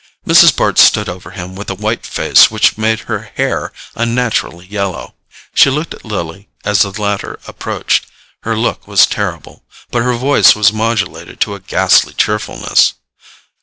Mrs. Bart stood over him with a white face which made her hair unnaturally yellow. She looked at Lily as the latter approached: her look was terrible, but her voice was modulated to a ghastly cheerfulness.